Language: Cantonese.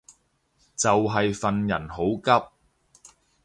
就係份人好急